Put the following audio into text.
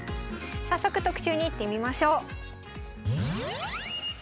早速特集にいってみましょう。